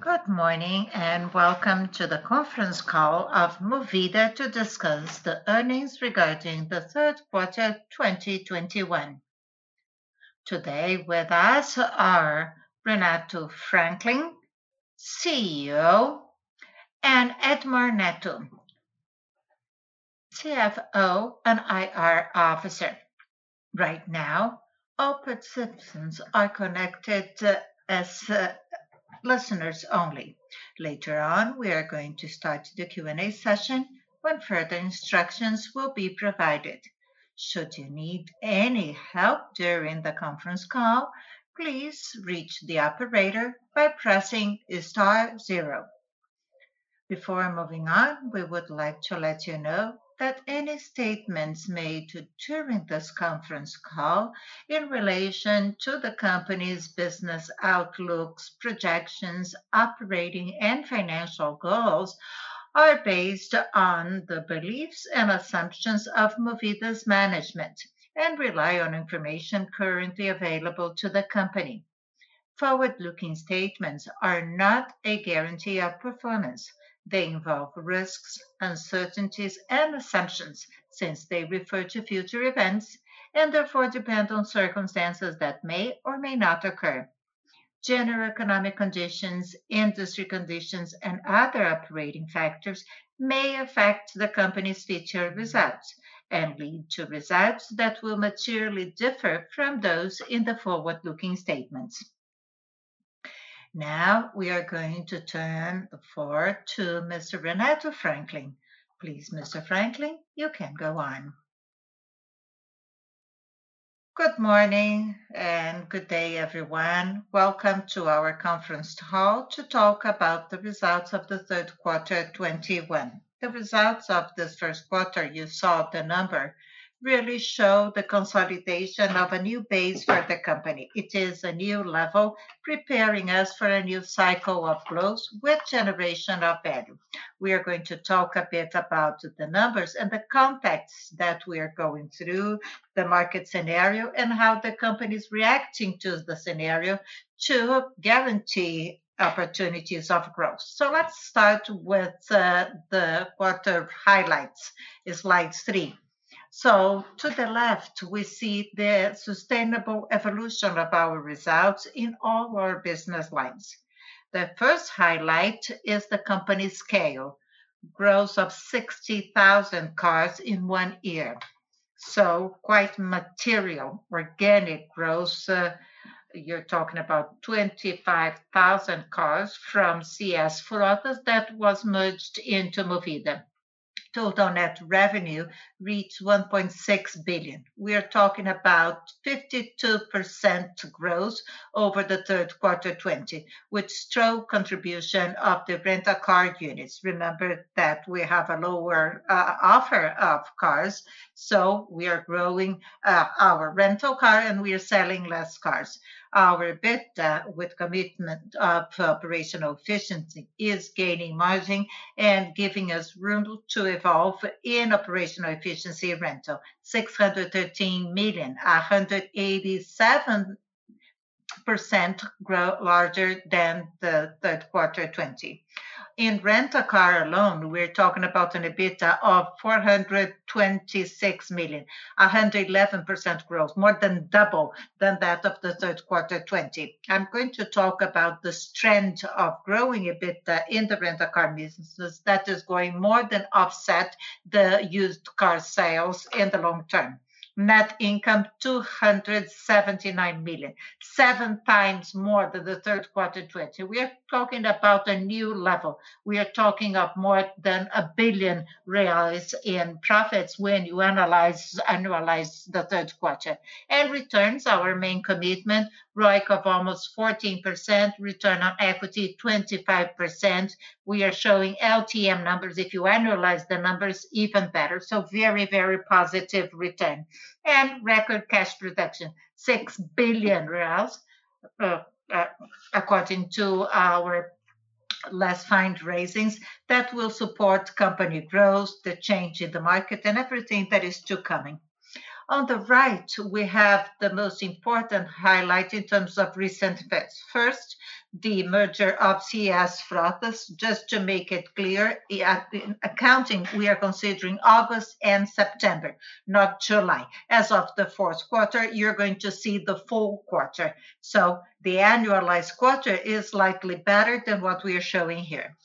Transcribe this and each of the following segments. Good morning, and welcome to the conference call of Movida to discuss the earnings regarding the third quarter 2021. Today with us are Renato Franklin, CEO, and Edmar Neto, CFO and IR Officer. Right now, all participants are connected as listeners only. Later on, we are going to start the Q&A session when further instructions will be provided. Should you need any help during the conference call, please reach the operator by pressing star zero. Before moving on, we would like to let you know that any statements made during this conference call in relation to the company's business outlooks, projections, operating, and financial goals are based on the beliefs and assumptions of Movida's management and rely on information currently available to the company. Forward-looking statements are not a guarantee of performance. They involve risks, uncertainties, and assumptions since they refer to future events and therefore depend on circumstances that may or may not occur. General economic conditions, industry conditions, and other operating factors may affect the company's future results and lead to results that will materially differ from those in the forward-looking statements. Now we are going to turn the floor to Mr. Renato Franklin. Please, Mr. Franklin, you can go on. Good morning and good day, everyone. Welcome to our conference call to talk about the results of the third quarter 2021. The results of this first quarter, you saw the number, really show the consolidation of a new base for the company. It is a new level preparing us for a new cycle of growth with generation of value. We are going to talk a bit about the numbers and the context that we are going through, the market scenario, and how the company is reacting to the scenario to guarantee opportunities of growth. Let's start with the quarter highlights, Slide 3. To the left, we see the sustainable evolution of our results in all our business lines. The first highlight is the company scale, growth of 60,000 cars in one year, so quite material. Organic growth, you're talking about 25,000 cars from CS Frotas that was merged into Movida. Total net revenue reached 1.6 billion. We are talking about 52% growth over the third quarter 2020, with strong contribution of the rental car units. Remember that we have a lower offer of cars, so we are growing our rental car and we are selling less cars. Our EBITDA with commitment of operational efficiency is gaining margin and giving us room to evolve in operational efficiency rental. 613 million, 187% greater than the third quarter 2020. In Rent a Car alone, we're talking about an EBITDA of 426 million, 111% growth, more than double than that of the third quarter 2020. I'm going to talk about this trend of growing EBITDA in the Rent a Car business that is going to more than offset the used car sales in the long term. Net income 279 million, seven times more than the third quarter 2020. We are talking about a new level. We are talking of more than 1 billion reais in profits when you annualize the third quarter. Returns, our main commitment, ROIC of almost 14%, return on equity 25%. We are showing LTM numbers. If you annualize the numbers, even better. Very, very positive return. Record cash production, 6 billion reais, according to our last fundraisings. That will support company growth, the change in the market, and everything that is to coming. On the right, we have the most important highlight in terms of recent bets. First, the merger of CS Frotas. Just to make it clear, the accounting, we are considering August and September, not July. As of the fourth quarter, you're going to see the full quarter. The annualized quarter is likely better than what we are showing here.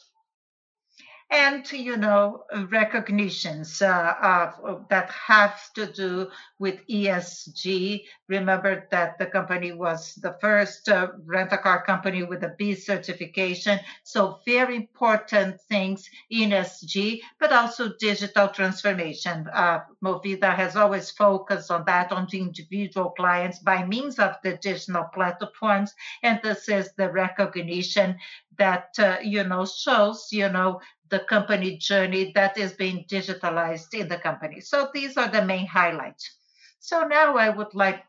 Recognitions that have to do with ESG. Remember that the company was the first rent a car company with a B certification. Very important things in ESG, but also digital transformation. Movida has always focused on that, on the individual clients by means of the digital platforms, and this is the recognition that, you know, shows, you know, the company journey that is being digitalized in the company. These are the main highlights. Now I would like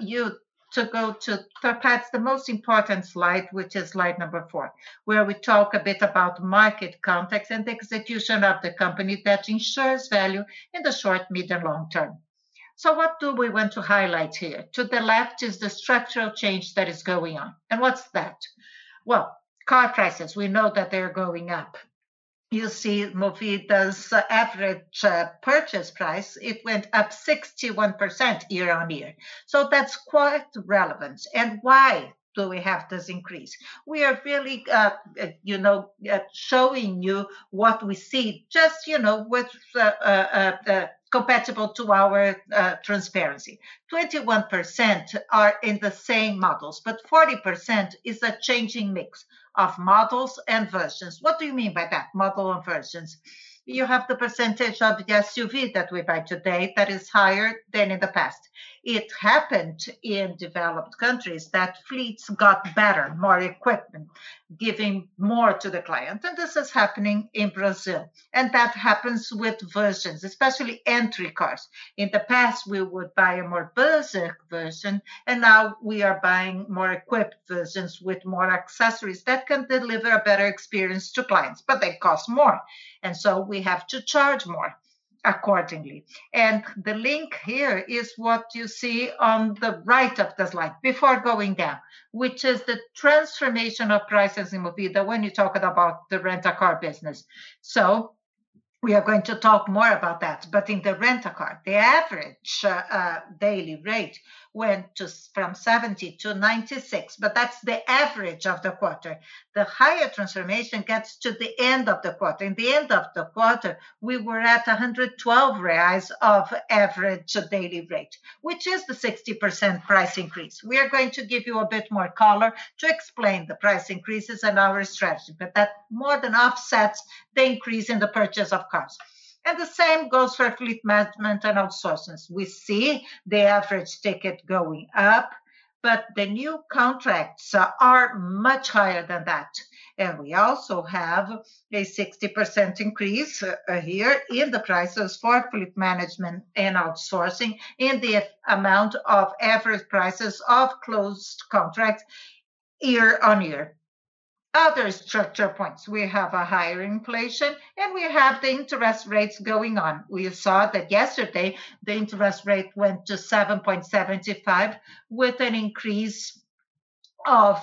you to go to perhaps the most important slide, which is slide number four, where we talk a bit about market context and the execution of the company that ensures value in the short, mid, and long term. What do we want to highlight here? To the left is the structural change that is going on. What's that? Well, car prices, we know that they're going up. You see Movida's average purchase price, it went up 61% year-on-year. That's quite relevant. Why do we have this increase? We are really, you know, showing you what we see just, you know, with commitment to our transparency. 21% are in the same models, but 40% is a changing mix of models and versions. What do you mean by that, model and versions? You have the percentage of the SUV that we buy today that is higher than in the past. It happened in developed countries that fleets got better, more equipment, giving more to the client, and this is happening in Brazil. That happens with versions, especially entry cars. In the past, we would buy a more basic version, and now we are buying more equipped versions with more accessories that can deliver a better experience to clients. But they cost more, and so we have to charge more accordingly. The link here is what you see on the right of the slide before going down, which is the transformation of prices in Movida when you're talking about the Rent a Car business. We are going to talk more about that. In the Rent a Car, the average daily rate went from 70 to 96, but that's the average of the quarter. The higher transformation gets to the end of the quarter. In the end of the quarter, we were at 112 reais of average daily rate, which is the 60% price increase. We are going to give you a bit more color to explain the price increases and our strategy, but that more than offsets the increase in the purchase of cars. The same goes for Fleet Management and outsourcing. We see the average ticket going up, but the new contracts are much higher than that. We also have a 60% increase here in the prices for Fleet Management and outsourcing in the amount of average prices of closed contracts year-over-year. Other structure points. We have a higher inflation, and we have the interest rates going on. We saw that yesterday the interest rate went to 7.75% with an increase of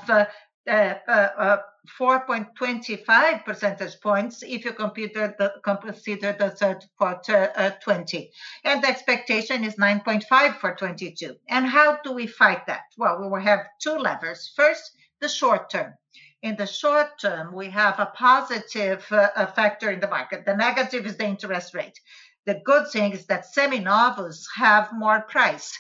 4.25 percentage points if you consider the third quarter 2020. The expectation is 9.5% for 2022. How do we fight that? Well, we have two levers. First, the short term. In the short term, we have a positive factor in the market. The negative is the interest rate. The good thing is that Seminovos have more price.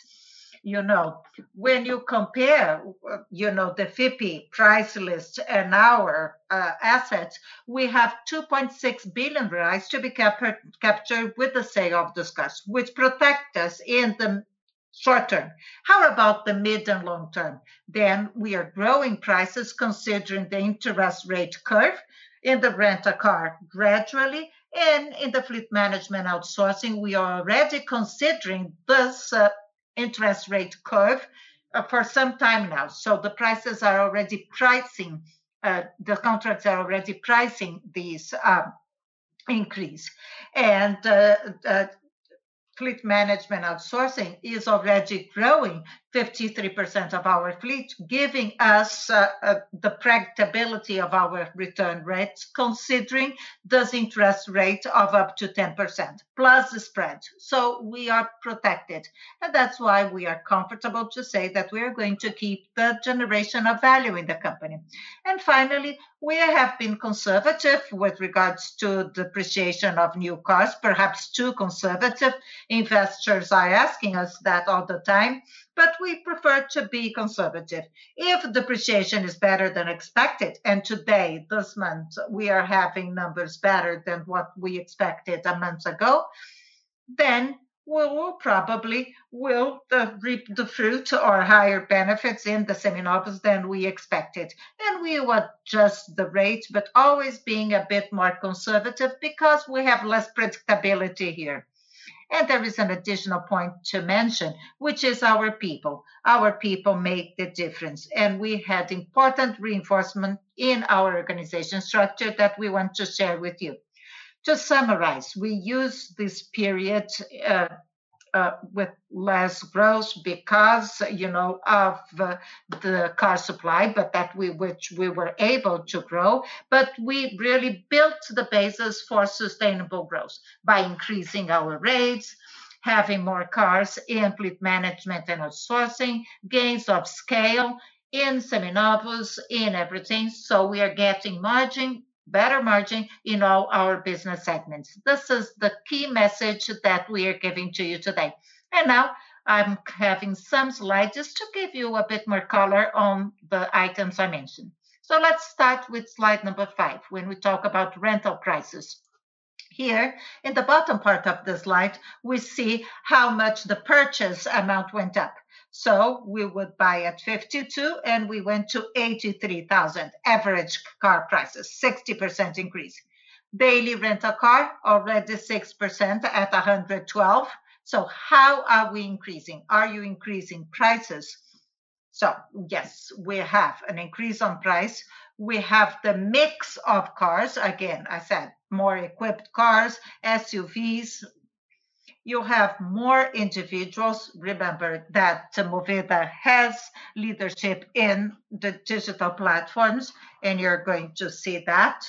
You know, when you compare, you know, the FIPE price list and our assets, we have 2.6 billion to be captured with the sale of these cars, which protect us in the short term. How about the mid and long term? We are growing prices considering the interest rate curve in the Rent a Car gradually, and in the Fleet Management outsourcing, we are already considering this interest rate curve for some time now. So the prices are already pricing. The contracts are already pricing these increase. Fleet management outsourcing is already growing 53% of our fleet, giving us the predictability of our return rates, considering this interest rate of up to 10% plus the spread. We are protected, and that's why we are comfortable to say that we are going to keep the generation of value in the company. Finally, we have been conservative with regards to depreciation of new cars, perhaps too conservative. Investors are asking us that all the time, but we prefer to be conservative. If depreciation is better than expected, and today, this month, we are having numbers better than what we expected a month ago, then we will probably reap the fruit or higher benefits in the Seminovos than we expected. We will adjust the rate, but always being a bit more conservative because we have less predictability here. There is an additional point to mention, which is our people. Our people make the difference, and we had important reinforcement in our organization structure that we want to share with you. To summarize, we use this period with less growth because, you know, of the car supply, but which we were able to grow. We really built the basis for sustainable growth by increasing our rates, having more cars in Fleet Management and outsourcing, gains of scale in Seminovos, in everything, so we are getting better margin in all our business segments. This is the key message that we are giving to you today. Now I'm having some slides just to give you a bit more color on the items I mentioned. Let's start with slide number five when we talk about rental prices. Here in the bottom part of the slide, we see how much the purchase amount went up. We would buy at 52,000, and we went to 83,000 average car prices, 60% increase. Daily Rent a Car already 6% at 112. How are we increasing? Are you increasing prices? Yes, we have an increase on price. We have the mix of cars. Again, I said more equipped cars, SUVs. You have more individuals. Remember that Movida has leadership in the digital platforms, and you're going to see that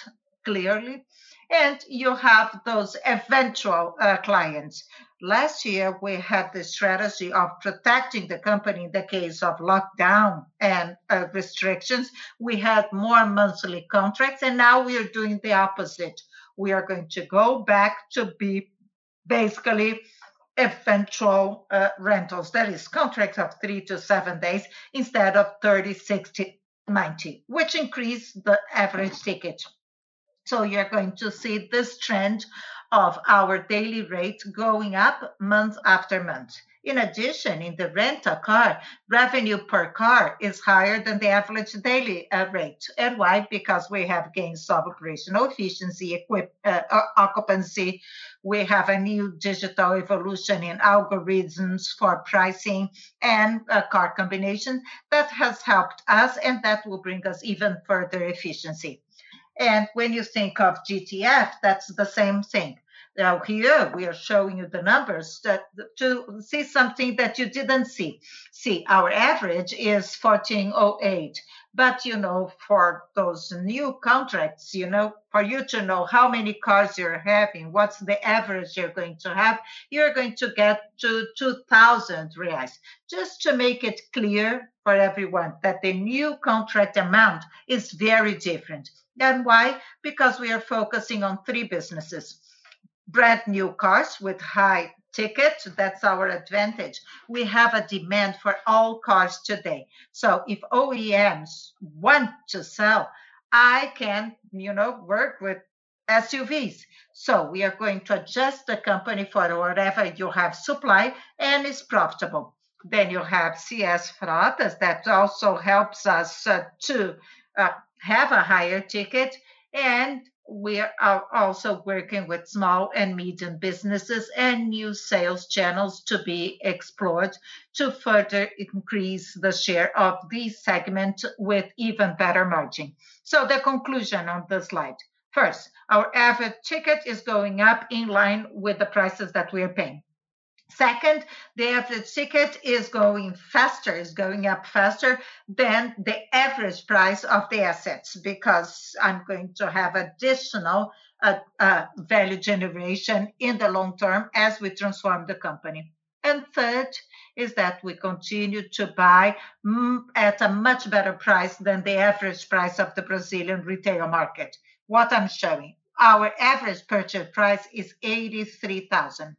clearly, and you have those eventual clients. Last year we had the strategy of protecting the company in the case of lockdown and restrictions. We had more monthly contracts, and now we are doing the opposite. We are going to go back to be basically eventual rentals. That is contracts of three to seven days instead of 30 days, 60 days, 90 days, which increase the average ticket. You're going to see this trend of our daily rate going up month after month. In addition, in the Rent a Car, revenue per car is higher than the average daily rate. Why? Because we have gained some operational efficiency occupancy. We have a new digital evolution in algorithms for pricing and car combination. That has helped us, and that will bring us even further efficiency. When you think of GTF, that's the same thing. Now here we are showing you the numbers to see something that you didn't see. See, our average is 1,408, but, you know, for those new contracts, you know, for you to know how many cars you're having, what's the average you're going to have, you're going to get to 2,000 reais. Just to make it clear for everyone that the new contract amount is very different. Why? Because we are focusing on three businesses. Brand new cars with high tickets, that's our advantage. We have a demand for all cars today. If OEMs want to sell, I can, you know, work with SUVs. We are going to adjust the company for whatever you have supply and is profitable. You have CS Frotas that also helps us to have a higher ticket, and we are also working with small and medium businesses and new sales channels to be explored to further increase the share of this segment with even better margin. The conclusion on the slide. First, our average ticket is going up in line with the prices that we are paying. Second, the average ticket is going faster, is going up faster than the average price of the assets, because I'm going to have additional value generation in the long term as we transform the company. Third is that we continue to buy at a much better price than the average price of the Brazilian retail market. What I'm showing, our average purchase price is 83,000,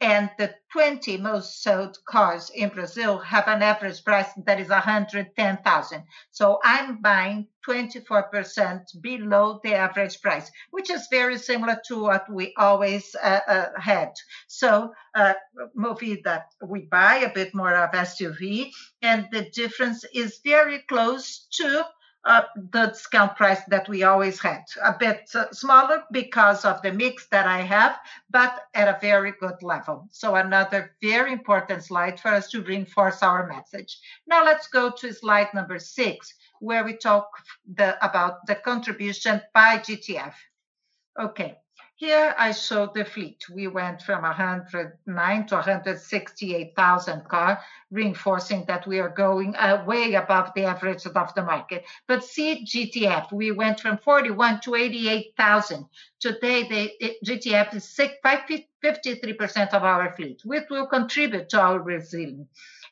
and the 20 most sold cars in Brazil have an average price that is 110,000. I'm buying 24% below the average price, which is very similar to what we always had. Movida, we buy a bit more of SUV, and the difference is very close to the discount price that we always had. A bit smaller because of the mix that I have, but at a very good level. Another very important slide for us to reinforce our message. Now let's go to Slide 6, where we talk about the contribution by GTF. Okay. Here I show the fleet. We went from 109,000 to 168,000 cars, reinforcing that we are going way above the average above the market. See GTF, we went from 41,000 to 88,000. Today the GTF is 53% of our fleet, which will contribute to our resilience.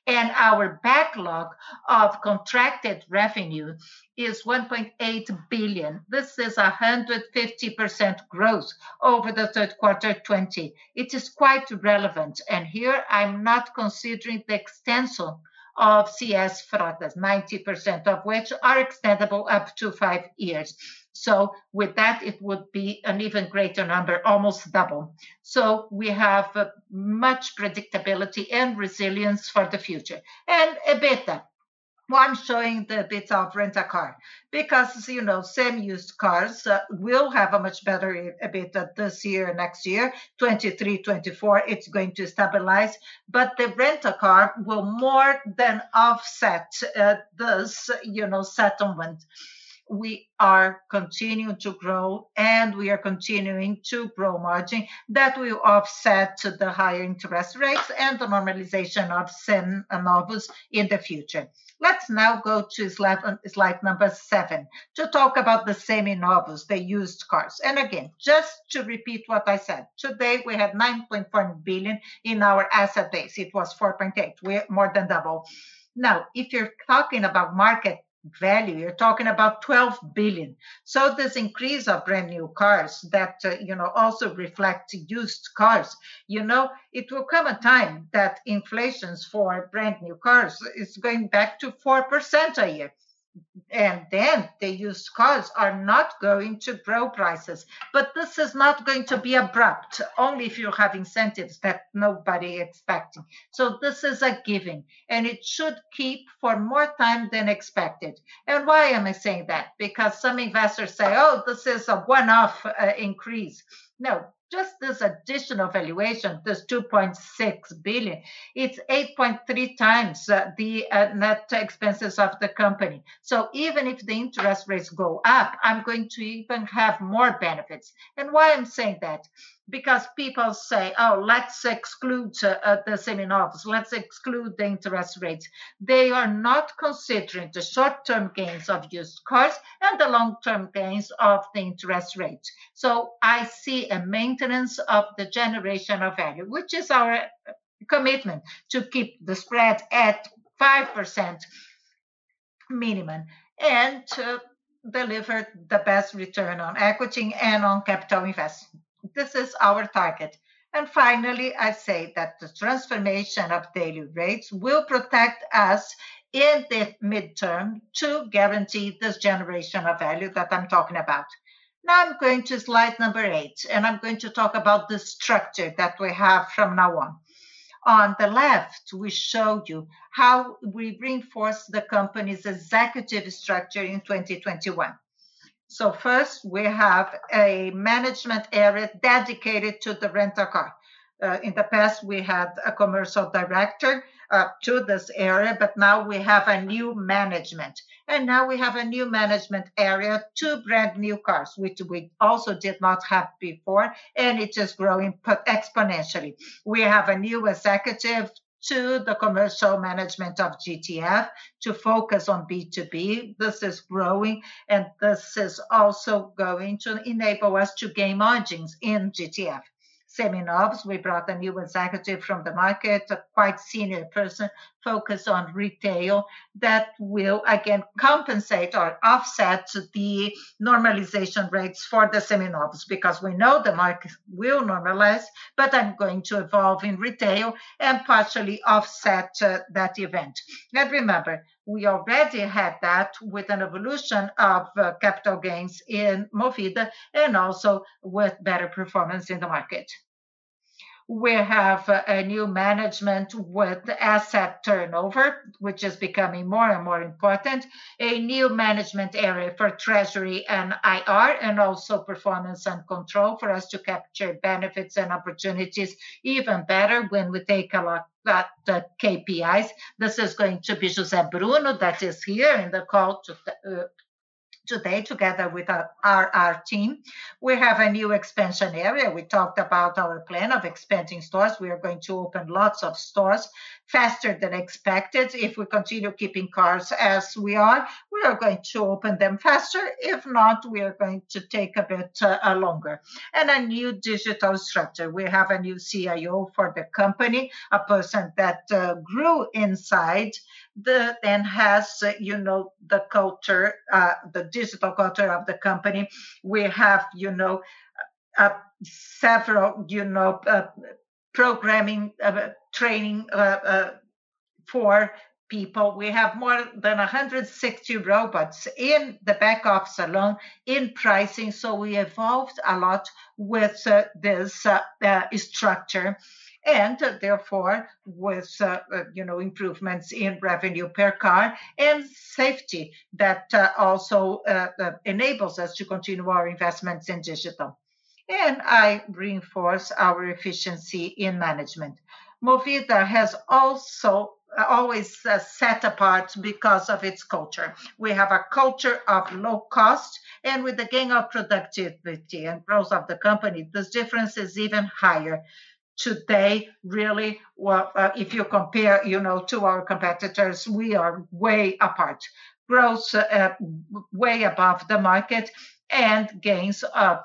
Our backlog of contracted revenue is 1.8 billion. This is 150% growth over the third quarter 2020. It is quite relevant. Here I'm not considering the extension of CS Frotas, 90% of which are extendable up to five years. With that it would be an even greater number, almost double. We have much predictability and resilience for the future. EBITDA. Why I'm showing the EBITDA of Rent a Car? Because, as you know, semi-used cars will have a much better EBITDA this year and next year. 2023, 2024, it's going to stabilize, but the Rent a Car will more than offset this, you know, settlement. We are continuing to grow, and we are continuing to grow margin. That will offset the higher interest rates and the normalization of Seminovos in the future. Let's now go to slide number seven, to talk about the Seminovos, the used cars. Again, just to repeat what I said. Today we have 9.4 billion in our asset base. It was 4.8 billion. We're more than double. Now, if you're talking about market value, you're talking about 12 billion. This increase of brand new cars that, you know, also reflect used cars, you know, there will come a time that inflation for brand new cars is going back to 4% a year. The used cars are not going to grow prices. This is not going to be abrupt, only if you have incentives that nobody expecting. This is a given, and it should keep for more time than expected. Why am I saying that? Because some investors say, "Oh, this is a one-off, increase." No, just this additional valuation, this 2.6 billion, it's 8.3x, the net expenses of the company. Even if the interest rates go up, I'm going to even have more benefits. Why I'm saying that? Because people say, "Oh, let's exclude, the Seminovos. Let's exclude the interest rates." They are not considering the short-term gains of used cars and the long-term gains of the interest rates. I see a maintenance of the generation of value, which is our commitment to keep the spread at 5% minimum, and to deliver the best return on equity and on capital investment. This is our target. Finally, I say that the transformation of daily rates will protect us in the midterm to guarantee this generation of value that I'm talking about. Now I'm going to slide number eight, and I'm going to talk about the structure that we have from now on. On the left, we show you how we reinforce the company's executive structure in 2021. First, we have a management area dedicated to the Rent a Car. In the past, we had a commercial director to this area, but now we have a new management. Now we have a new management area, two brand-new cars, which we also did not have before, and it is growing exponentially. We have a new executive to the commercial management of GTF to focus on B2B. This is growing, and this is also going to enable us to gain margins in GTF. Seminovos, we brought a new executive from the market, a quite senior person focused on retail that will again compensate or offset the normalization rates for the Seminovos, because we know the market will normalize, but I'm going to evolve in retail and partially offset that event. Remember, we already had that with an evolution of capital gains in Movida and also with better performance in the market. We have a new management with asset turnover, which is becoming more and more important, a new management area for treasury and IR, and also performance and control for us to capture benefits and opportunities even better when we take our KPIs. This is going to be José Bruno that is here in the call today together with our team. We have a new expansion area. We talked about our plan of expanding stores. We are going to open lots of stores faster than expected. If we continue keeping cars as we are, we are going to open them faster. If not, we are going to take a bit longer. A new digital structure. We have a new CIO for the company, a person that grew inside and has, you know, the culture, the digital culture of the company. We have, you know, several, you know, programming training for people. We have more than 160 robots in the back office alone in pricing, so we evolved a lot with this structure and therefore with, you know, improvements in revenue per car and safety that also enables us to continue our investments in digital. I reinforce our efficiency in management. Movida has also always set apart because of its culture. We have a culture of low cost, and with the gain of productivity and growth of the company, this difference is even higher. Today, really, if you compare, you know, to our competitors, we are way apart. Growth way above the market and gains of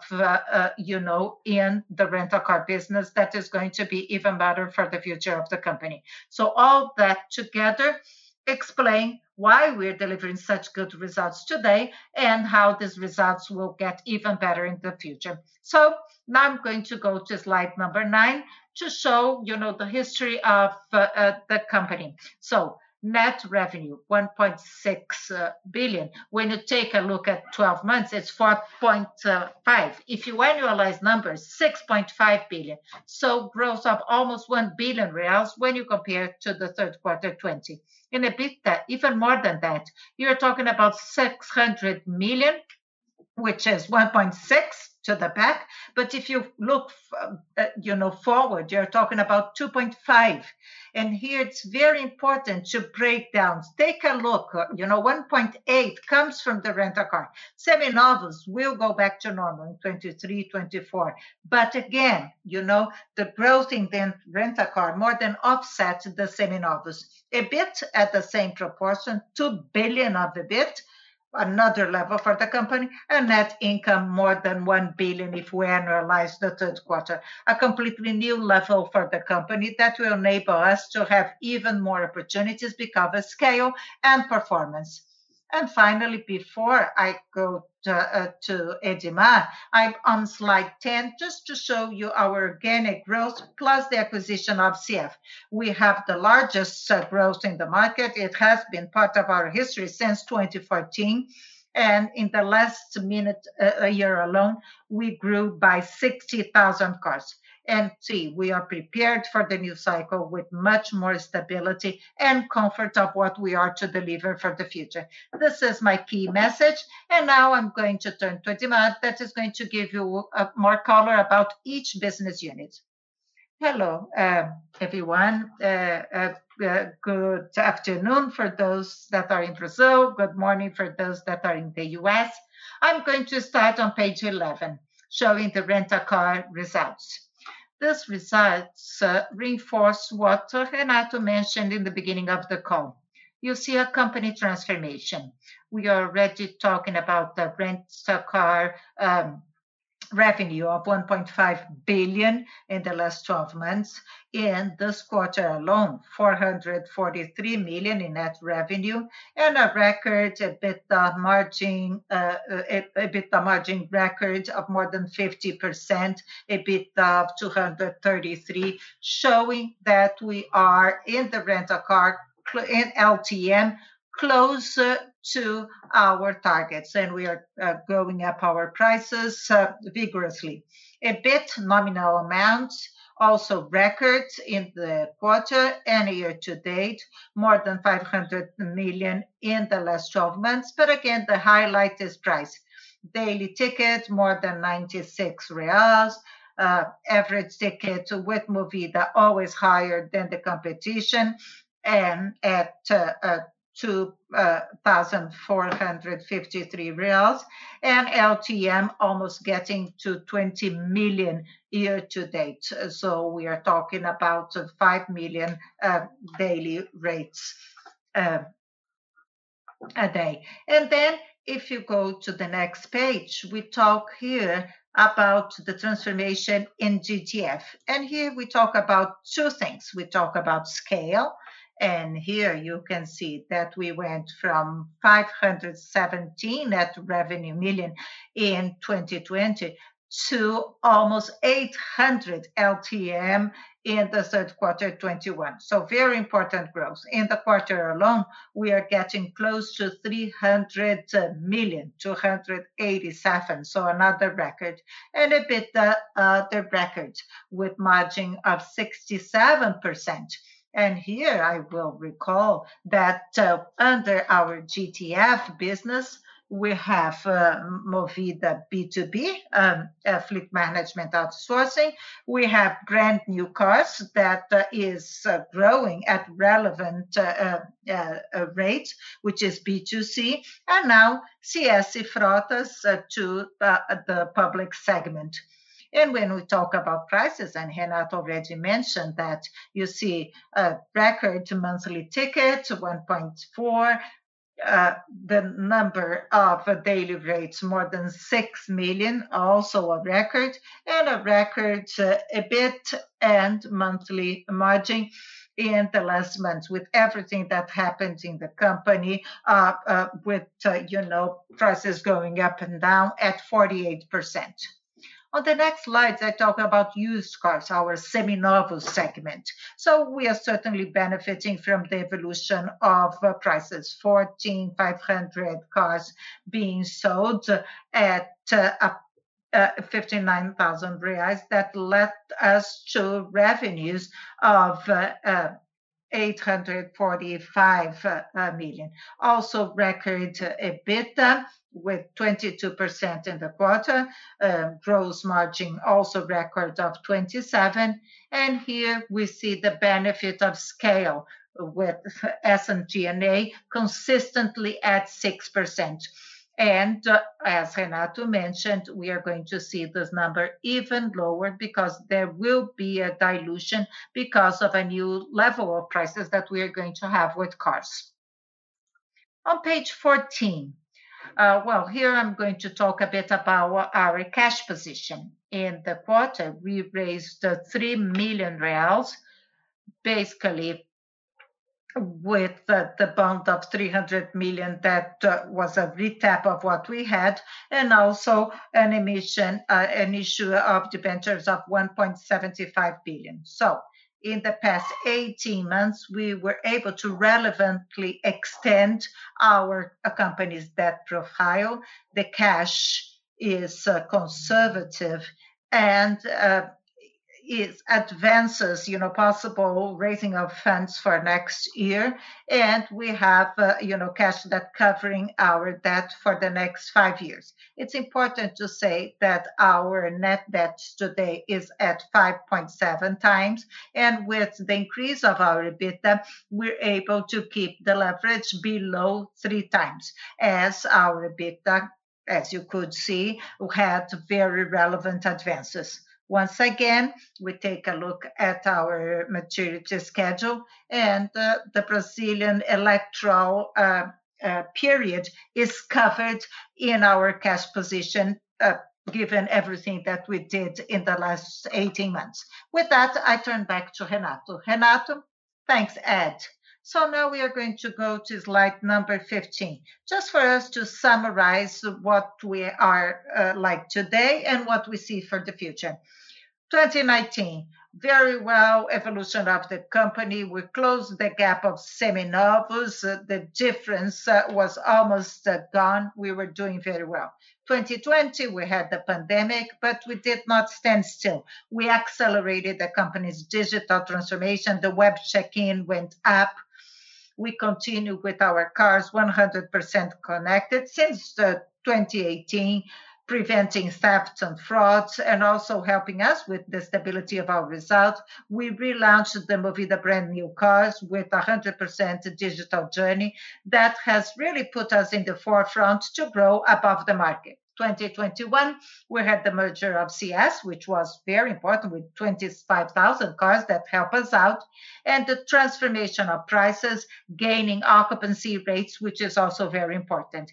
you know in the Rent a Car business that is going to be even better for the future of the company. All that together explain why we're delivering such good results today and how these results will get even better in the future. Now I'm going to go to slide number nine to show you know the history of the company. Net revenue 1.6 billion. When you take a look at 12 months, it's 4.5 billion. If you annualize numbers, 6.5 billion. Growth of almost 1 billion reais when you compare to the third quarter 2020. In EBITDA even more than that. You're talking about 600 million, which is 1.6 to the back. If you look forward, you're talking about 2.5 billion. Here it's very important to break down. Take a look. You know, 1.8 billion comes from the Rent a Car. Seminovos will go back to normal in 2023, 2024. Again, you know, the growth in the Rent a Car more than offsets the Seminovos. EBIT at the same proportion, 2 billion of EBIT, another level for the company. Net income more than 1 billion if we annualize the third quarter. A completely new level for the company that will enable us to have even more opportunities because of scale and performance. Finally, before I go to Edmar, I'm on Slide 10 just to show you our organic growth plus the acquisition of CS. We have the largest growth in the market. It has been part of our history since 2014. In the last year alone, we grew by 60,000 cars. See, we are prepared for the new cycle with much more stability and comfort of what we are to deliver for the future. This is my key message. Now I'm going to turn to Edmar, that is going to give you more color about each business unit. Hello, everyone. Good afternoon for those that are in Brazil. Good morning for those that are in the U.S. I'm going to start on Page 11, showing the Rent a Car results. These results reinforce what Renato mentioned in the beginning of the call. You see a company transformation. We are already talking about the Rent a Car revenue of 1.5 billion in the last 12 months. In this quarter alone, 443 million in net revenue and a record EBITDA margin, EBITDA margin record of more than 50%. EBITDA of 233 million, showing that we are in the Rent a Car in LTM close to our targets, and we are going up our prices vigorously. EBIT nominal amounts also record in the quarter and year to date, more than 500 million in the last 12 months. The highlight is price. Daily tickets more than 96 reais. Average ticket with Movida always higher than the competition and at 2,453 reais, and LTM almost getting to 20 million year to date. We are talking about 5 million daily rates a day. If you go to the next page, we talk here about the transformation in GTF, and here we talk about two things. We talk about scale, and here you can see that we went from 517 million net revenue in 2020 to almost 800 million LTM in the third quarter 2021. Very important growth. In the quarter alone, we are getting close to 300 million, 287 million, so another record and an EBITDA record with margin of 67%. Here I will recall that under our GTF business, we have Movida B2B, Fleet Management outsourcing. We have brand new cars that is growing at relevant rate, which is B2C, and now CS Frotas to the public segment. When we talk about prices, and Renato already mentioned that, you see a record monthly ticket of 1.4. The number of daily rates more than 6 million, also a record and a record EBIT and monthly margin in the last month with everything that happened in the company, with you know, prices going up and down at 48%. On the next slides, I talk about used cars, our Seminovos segment. We are certainly benefiting from the evolution of prices, 1,405 cars being sold at 59,000 reais. That led us to revenues of 845 million. Also record EBITDA with 22% in the quarter. Gross margin also record of 27%, and here we see the benefit of scale with SG&A consistently at 6%. As Renato mentioned, we are going to see this number even lower because there will be a dilution because of a new level of prices that we are going to have with cars. On Page 14, here I'm going to talk a bit about our cash position. In the quarter, we raised 3 million reais, basically with the bond of 300 million. That was a re-tap of what we had and also an issue of debentures of 1.75 billion. In the past 18 months, we were able to relevantly extend our company's debt profile. The cash is conservative and is advances, you know, possible raising of funds for next year. We have, you know, cash that covering our debt for the next five years. It's important to say that our net debt today is at 5.7x, and with the increase of our EBITDA, we're able to keep the leverage below 3x as our EBITDA, as you could see, had very relevant advances. Once again, we take a look at our maturity schedule, and the Brazilian electoral period is covered in our cash position, given everything that we did in the last 18 months. With that, I turn back to Renato. Renato? Thanks, Ed. Now we are going to go to slide number 15, just for us to summarize what we are like today and what we see for the future. 2019, very well evolution of the company. We closed the gap of Seminovos. The difference was almost gone. We were doing very well. 2020, we had the pandemic, but we did not stand still. We accelerated the company's digital transformation. The web check-in went up. We continue with our cars 100% connected since 2018, preventing thefts and frauds and also helping us with the stability of our results. We relaunched the Movida brand new cars with a 100% digital journey. That has really put us in the forefront to grow above the market. 2021 we had the merger of CS, which was very important with 25,000 cars that help us out, and the transformation of prices, gaining occupancy rates, which is also very important.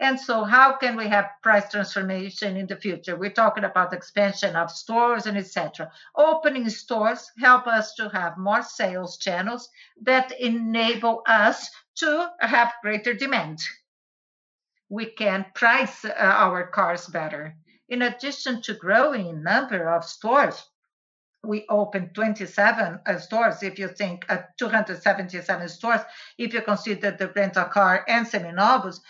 How can we have price transformation in the future? We're talking about expansion of stores and et cetera. Opening stores help us to have more sales channels that enable us to have greater demand. We can price our cars better. In addition to growing number of stores, we opened 27 stores, if you think, 277 stores, if you consider the rental car and Seminovos.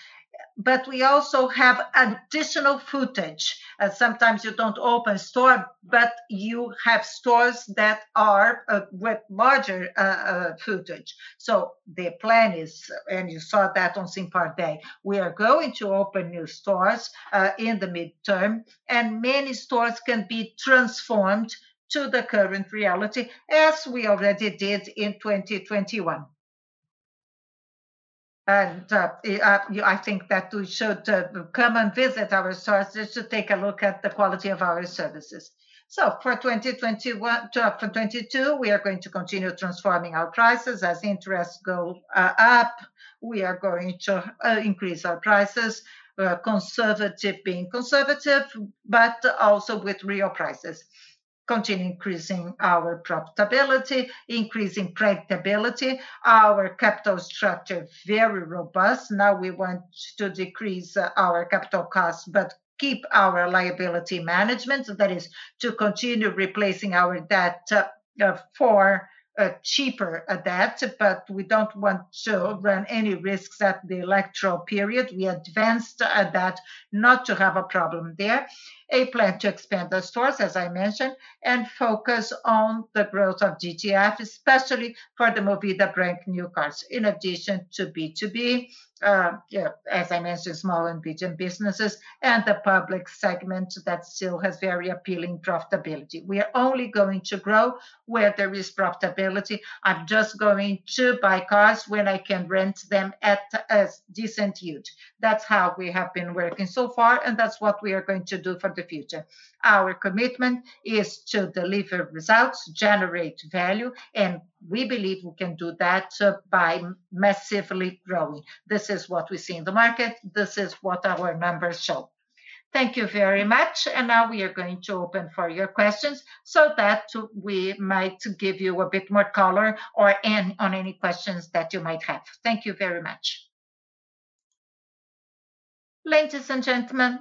We also have additional footage, as sometimes you don't open store, but you have stores that are with larger footage. The plan is, and you saw that on Simpar Day, we are going to open new stores in the midterm, and many stores can be transformed to the current reality, as we already did in 2021. Yeah, I think that you should come and visit our stores just to take a look at the quality of our services. For 2021. For 2022, we are going to continue transforming our prices. As interests go up, we are going to increase our prices. We are conservative being conservative, but also with real prices. Continue increasing our profitability, increasing credibility. Our capital structure, very robust. Now we want to decrease our capital costs but keep our liability management. That is to continue replacing our debt for a cheaper debt, but we don't want to run any risks at the electoral period. We advanced at that not to have a problem there. A plan to expand the stores, as I mentioned, and focus on the growth of GTF, especially for the Movida brand new cars. In addition to B2B, as I mentioned, small and medium businesses, and the public segment that still has very appealing profitability. We are only going to grow where there is profitability. I'm just going to buy cars when I can rent them at a decent yield. That's how we have been working so far, and that's what we are going to do for the future. Our commitment is to deliver results, generate value, and we believe we can do that by massively growing. This is what we see in the market. This is what our numbers show. Thank you very much, and now we are going to open for your questions so that we might give you a bit more color or on any questions that you might have. Thank you very much. Our first question comes from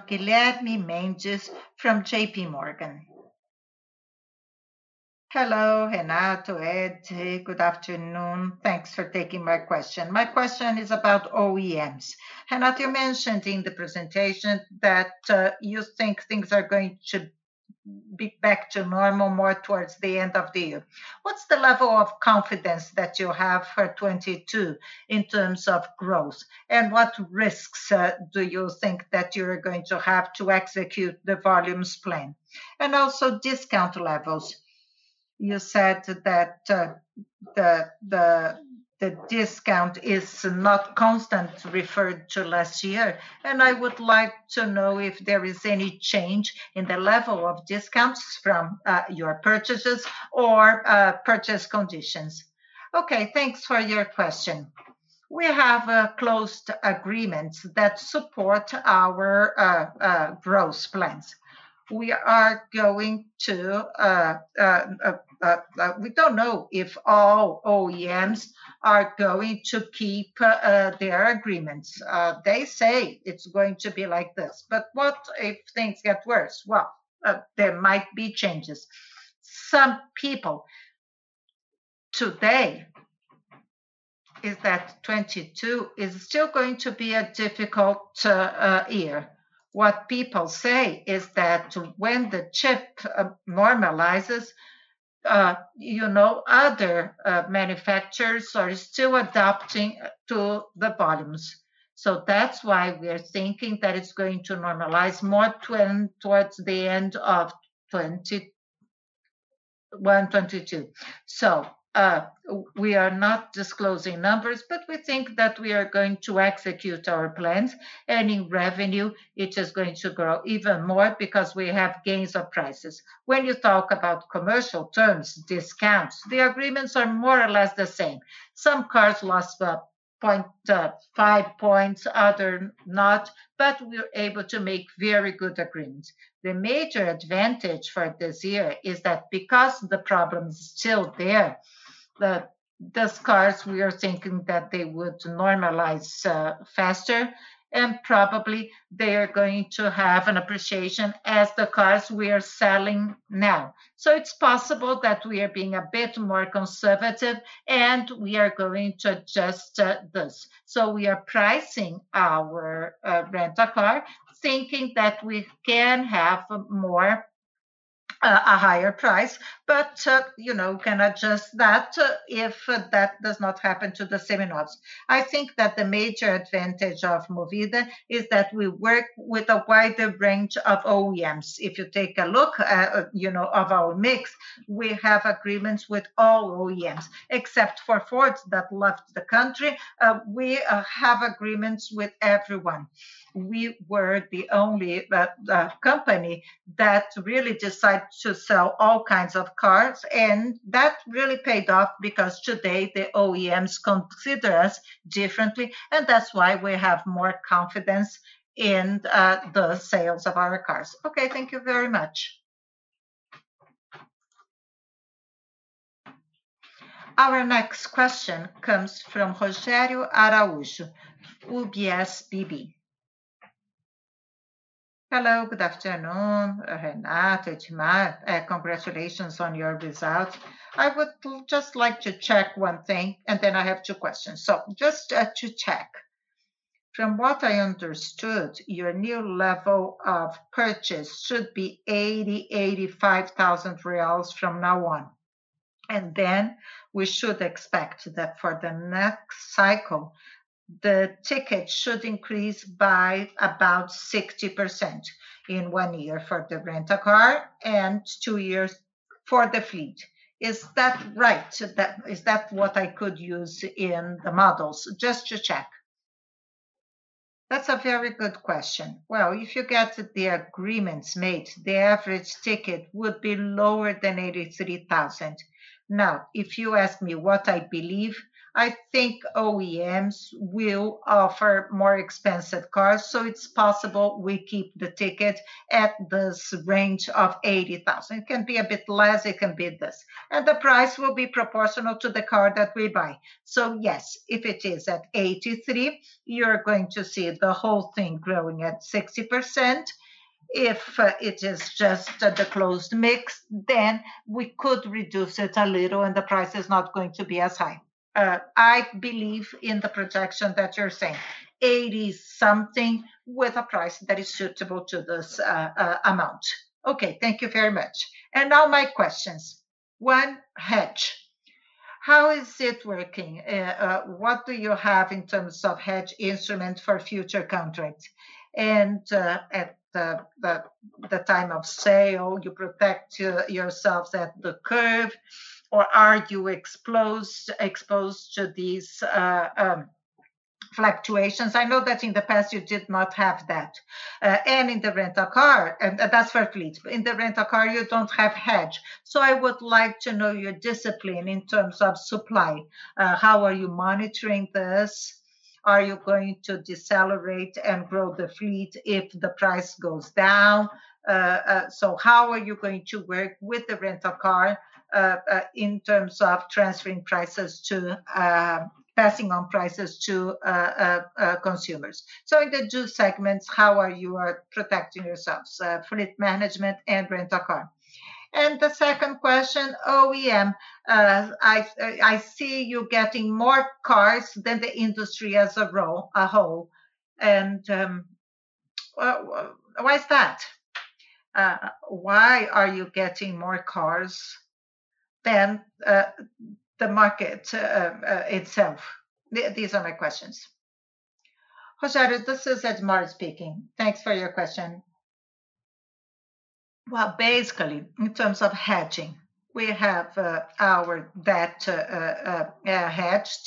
Guilherme Mendes from JPMorgan. Hello, Renato, Ed. Good afternoon. Thanks for taking my question. My question is about OEMs. Renato, you mentioned in the presentation that you think things are going to be back to normal more towards the end of the year. What's the level of confidence that you have for 2022 in terms of growth, and what risks do you think that you're going to have to execute the volumes plan? And also discount levels. You said that the discount is not constant referred to last year, and I would like to know if there is any change in the level of discounts from your purchases or purchase conditions? Okay, thanks for your question. We have closed agreements that support our growth plans. We don't know if all OEMs are going to keep their agreements. They say it's going to be like this, but what if things get worse? Well, there might be changes. Some people today say that 2022 is still going to be a difficult year. What people say is that when the chip normalizes, you know, other manufacturers are still adapting to the volumes. That's why we are thinking that it's going to normalize more towards the end of 2022. We are not disclosing numbers, but we think that we are going to execute our plans. In revenue it is going to grow even more because we have gains of prices. When you talk about commercial terms, discounts, the agreements are more or less the same. Some cars lost 0.5 points, others not, but we're able to make very good agreements. The major advantage for this year is that because the problem is still there, those cars, we are thinking that they would normalize faster, and probably they are going to have an appreciation as the cars we are selling now. It's possible that we are being a bit more conservative, and we are going to adjust this. We are pricing our Rent a Car thinking that we can have more, a higher price. You know, can adjust that, if that does not happen to the semi-new ones. I think that the major advantage of Movida is that we work with a wider range of OEMs. If you take a look at you know of our mix, we have agreements with all OEMs. Except for Ford that left the country, we have agreements with everyone. We were the only company that really decided to sell all kinds of cars, and that really paid off because today the OEMs consider us differently, and that's why we have more confidence in the sales of our cars. Okay, thank you very much. Our next question comes from Rogerio Araujo, UBS BB. Hello, good afternoon, Renato, Edmar. Congratulations on your results. I would just like to check one thing, and then I have two questions. Just to check, from what I understood, your new level of purchase should be 80,000-85,000 reais from now on. We should expect that for the next cycle, the ticket should increase by about 60% in one year for the Rent a Car and two years for the fleet. Is that right? Is that what I could use in the models? Just to check. That's a very good question. Well, if you get the agreements made, the average ticket would be lower than 83,000. Now, if you ask me what I believe? I think OEMs will offer more expensive cars, so it's possible we keep the ticket at this range of 80,000. It can be a bit less, it can be this. The price will be proportional to the car that we buy. Yes, if it is at 83,000, you're going to see the whole thing growing at 60%. If it is just the closed mix, then we could reduce it a little, and the price is not going to be as high. I believe in the projection that you're saying. 80-something with a price that is suitable to this amount. Okay, thank you very much. Now my questions. One, hedge. How is it working? What do you have in terms of hedge instrument for future contracts? At the time of sale, you protect yourselves at the curve, or are you exposed to these fluctuations? I know that in the past you did not have that. In the Rent a Car, that's for fleet. In the Rent a Car, you don't have hedge. I would like to know your discipline in terms of supply. How are you monitoring this? Are you going to decelerate and grow the fleet if the price goes down? How are you going to work with the Rent a Car in terms of transferring prices to passing on prices to consumers? In the two segments, how are you protecting yourselves, Fleet Management and Rent a Car? The second question, OEM. I see you getting more cars than the industry as a whole. Why is that? Why are you getting more cars than the market itself? These are my questions. Rogerio, this is Edmar speaking. Thanks for your question. Well, basically, in terms of hedging, we have our debt hedged.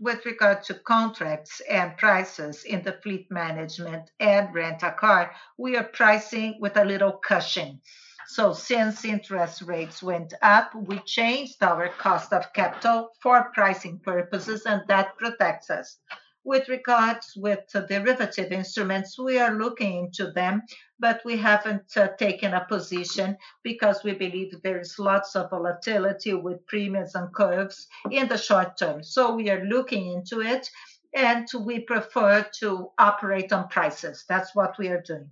With regard to contracts and prices in the Fleet Management and Rent a Car, we are pricing with a little cushion. Since interest rates went up, we changed our cost of capital for pricing purposes, and that protects us. With regard to derivative instruments, we are looking into them, but we haven't taken a position because we believe there is lots of volatility with premiums and curves in the short term. We are looking into it, and we prefer to operate on prices. That's what we are doing.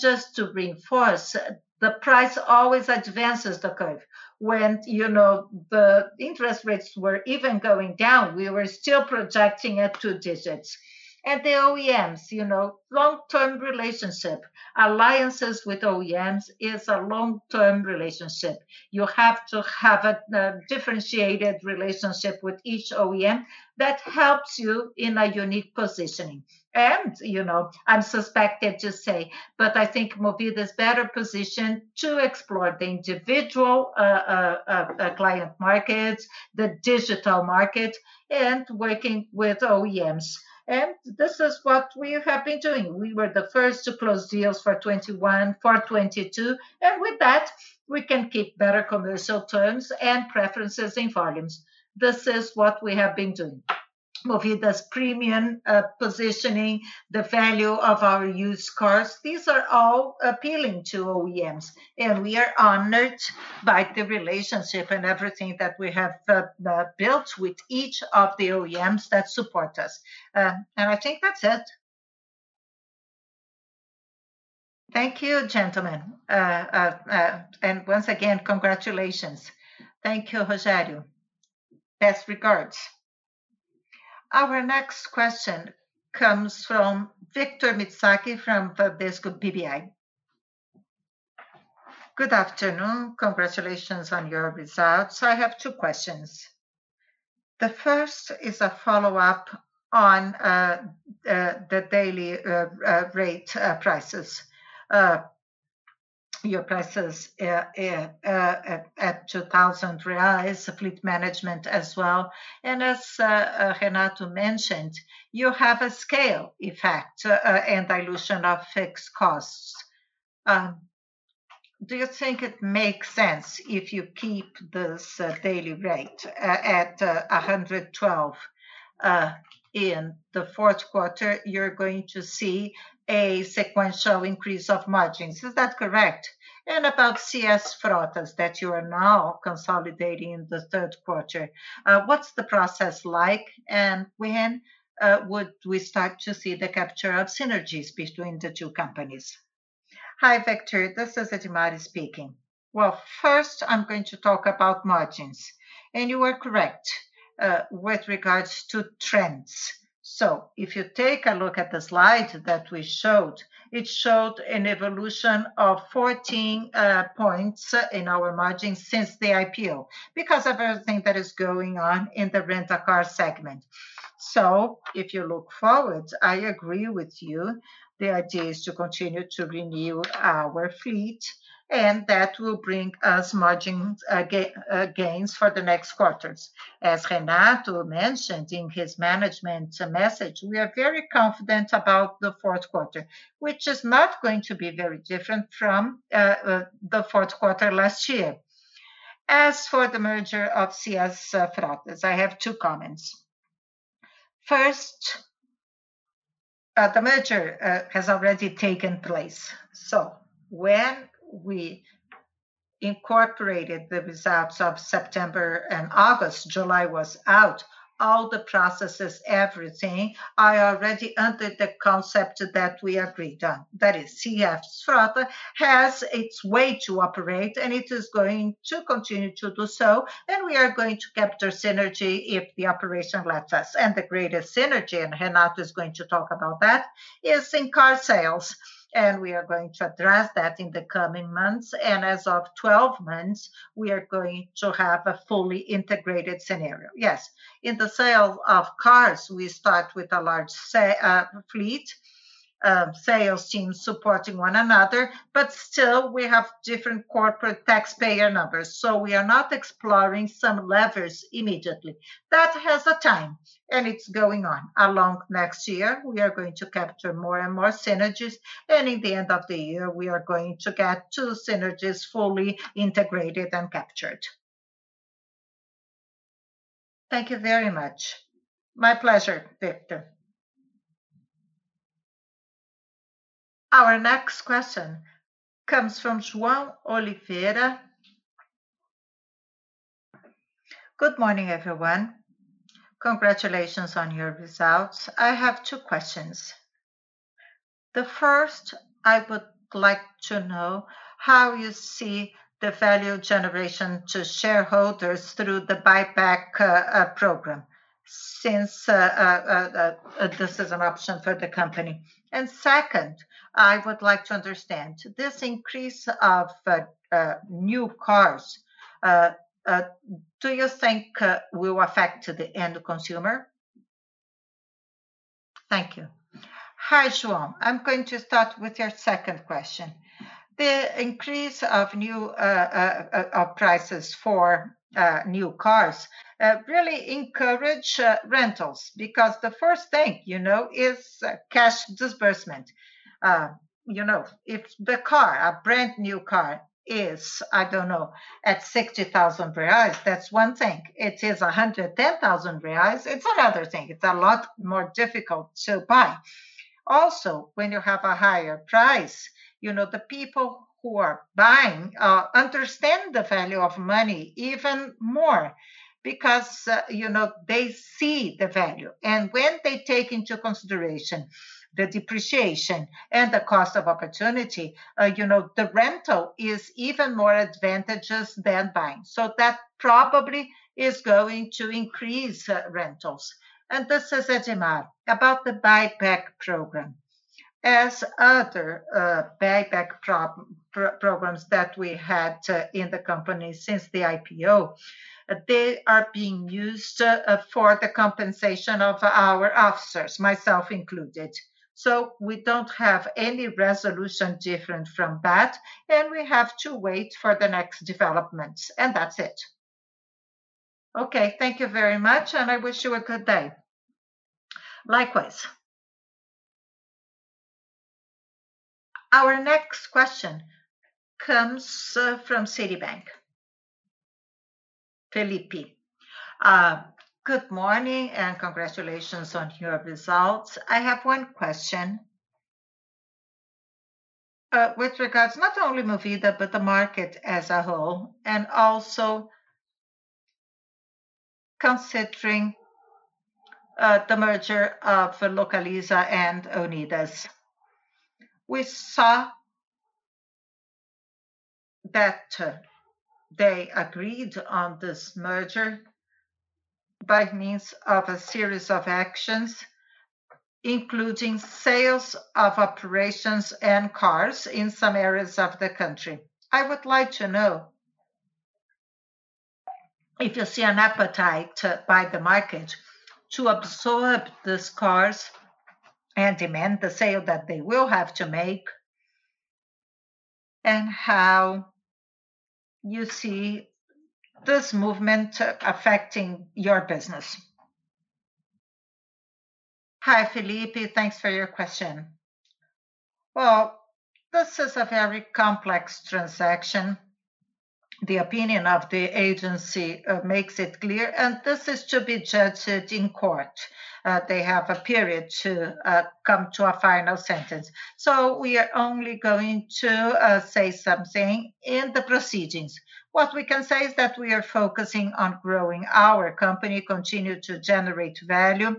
Just to reinforce, the price always advances the curve. When, you know, the interest rates were even going down, we were still projecting at two digits. The OEMs, you know, long-term relationship. Alliances with OEMs is a long-term relationship. You have to have a differentiated relationship with each OEM that helps you in a unique positioning. You know, I'm suspected to say, but I think Movida is better positioned to explore the individual client markets, the digital market, and working with OEMs. This is what we have been doing. We were the first to close deals for 2021, for 2022. With that, we can keep better commercial terms and preferences in volumes. This is what we have been doing. Movida's premium positioning, the value of our used cars, these are all appealing to OEMs, and we are honored by the relationship and everything that we have built with each of the OEMs that support us. I think that's it. Thank you, gentlemen. Once again, congratulations. Thank you, Rogerio. Best regards. Our next question comes from Victor Mizusaki from Bradesco BBI. Good afternoon. Congratulations on your results. I have two questions. The first is a follow-up on the daily rate prices. Your prices at 2,000 reais, Fleet Management as well. As Renato mentioned, you have a scale effect and dilution of fixed costs. Do you think it makes sense if you keep this daily rate at 112 in the fourth quarter, you're going to see a sequential increase of margins. Is that correct? About CS Frotas that you are now consolidating in the third quarter, what's the process like and when would we start to see the capture of synergies between the two companies? Hi, Victor. This is Edmar speaking. Well, first, I'm going to talk about margins, and you are correct with regards to trends. If you take a look at the slide that we showed, it showed an evolution of 14 points in our margins since the IPO because of everything that is going on in the Rent a Car segment. If you look forward, I agree with you. The idea is to continue to renew our fleet, and that will bring us margin gains for the next quarters. As Renato mentioned in his management message, we are very confident about the fourth quarter, which is not going to be very different from the fourth quarter last year. As for the merger of CS Frotas, I have two comments. First, the merger has already taken place. When we incorporated the results of September and August, July was out, all the processes, everything, I already entered the concept that we agreed on. That is, CS Frotas has its way to operate, and it is going to continue to do so, and we are going to capture synergy if the operation lets us. The greatest synergy, and Renato is going to talk about that, is in car sales, and we are going to address that in the coming months. As of 12 months, we are going to have a fully integrated scenario. Yes, in the sale of cars, we start with a large fleet sales team supporting one another, but still we have different corporate taxpayer numbers. We are not exploring some levers immediately. That has a time, and it's going on. Along next year, we are going to capture more and more synergies, and in the end of the year, we are going to get two synergies fully integrated and captured. Thank you very much. My pleasure, Victor. Our next question comes from João Oliveira. Good morning, everyone. Congratulations on your results. I have two questions. The first, I would like to know how you see the value generation to shareholders through the buyback program since this is an option for the company? Second, I would like to understand this increase of new cars. Do you think will affect the end consumer? Thank you. Hi, João. I'm going to start with your second question. The increase of prices for new cars really encourage rentals because the first thing, you know, is cash disbursement. You know, if the car, a brand new car is, I don't know, at 60,000 reais, that's one thing. It is 110,000 reais, it's another thing. It's a lot more difficult to buy. When you have a higher price, you know, the people who are buying understand the value of money even more because, you know, they see the value. When they take into consideration the depreciation and the opportunity cost, you know, the rental is even more advantageous than buying. That probably is going to increase rentals. This is Edmar. About the buyback program. As other buyback programs that we had in the company since the IPO, they are being used for the compensation of our officers, myself included. We don't have any resolution different from that, and we have to wait for the next developments, and that's it. Okay, thank you very much, and I wish you a good day. Likewise. Our next question comes from Citi. Filipe, good morning and congratulations on your results. I have one question, with regards not only Movida, but the market as a whole, and also considering, the merger of Localiza and Unidas. We saw that they agreed on this merger by means of a series of actions, including sales of operations and cars in some areas of the country. I would like to know if you see an appetite by the market to absorb these cars and demand the sale that they will have to make, and how you see this movement affecting your business. Hi, Filipe. Thanks for your question. Well, this is a very complex transaction. The opinion of the agency, makes it clear, and this is to be judged in court. They have a period to, come to a final sentence. We are only going to say something in the proceedings. What we can say is that we are focusing on growing our company, continue to generate value,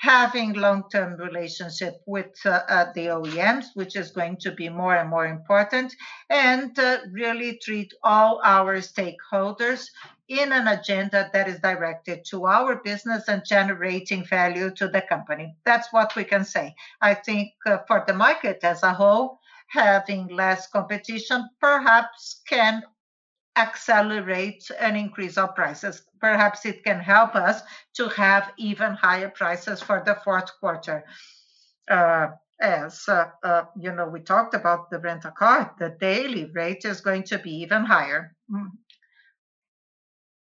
having long-term relationship with the OEMs, which is going to be more and more important, and really treat all our stakeholders in an agenda that is directed to our business and generating value to the company. That's what we can say. I think for the market as a whole, having less competition perhaps can accelerate an increase of prices. Perhaps it can help us to have even higher prices for the fourth quarter. As you know, we talked about the Rent a Car, the daily rate is going to be even higher.